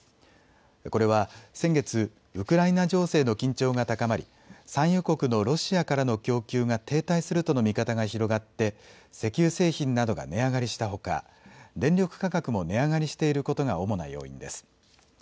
これは先月、ウクライナ情勢の緊張が高まり、産油国のロシアからの供給が停滞するとの見方が広がって石油製品などが値上がりしたほか電力価格も値上がりしていることが主な要因です。